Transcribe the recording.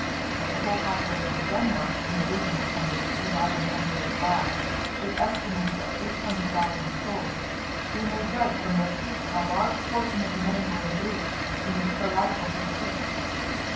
As the whole population of Denmark, in the reign of Canute who died in 1035, is estimated at 800,000 souls, we may judge from their fleets how large a portion of the men were engaged in these piratical pursuits.